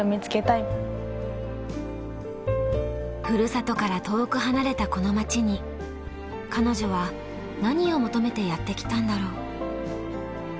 ふるさとから遠く離れたこの町に彼女は何を求めてやって来たんだろう。